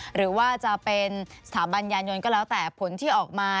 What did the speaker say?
หรือว่าจะเป็นสถาบันยานยนต์ก็แล้วแต่ผลที่ออกมา